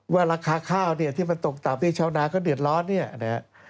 ว่าราคาข้าวเนี่ยที่มันตกต่ำที่ชาวนาเขาเดือดร้อนเนี่ยนะครับ